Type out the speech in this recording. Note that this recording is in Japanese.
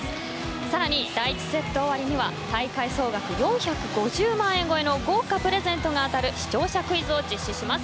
さらに、第１セット終わりには大会総額４５０万円超えの豪華プレゼントが当たる視聴者クイズを実施します。